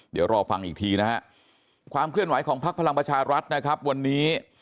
เดี๋ยวรอฟังอีกทีนะฮะความเคลื่อนไหวของพักพลังประชารัฐนะครับวันนี้